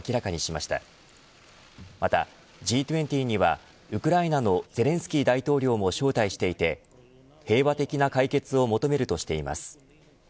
またＧ２０にはウクライナのゼレンスキー大統領も招待していて平和的な解決を求めるとしています。